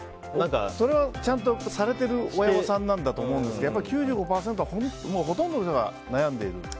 それはちゃんとされている親御さん何だと思うんですけど９５％ほとんどの人が悩んでいると。